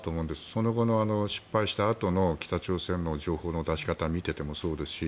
その場で失敗したあとの北朝鮮の情報の出し方を見ていてもそうですし。